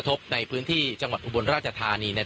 ตอนนี้ผมอยู่ในพื้นที่อำเภอโขงเจียมจังหวัดอุบลราชธานีนะครับ